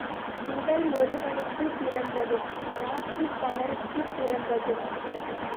உடல் ஒருவனுக்கு பிறந்தது, நாக்கு பலருக்கு பிறந்தது.